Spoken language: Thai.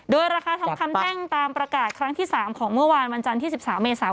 โดยราคาทองคำแท่งตามประกาศครั้งที่๓ของเมื่อวานวันจันทร์ที่๑๓เมษา